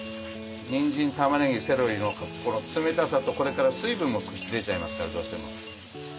にんじんたまねぎセロリの冷たさとこれから水分も少し出ちゃいますからどうしても。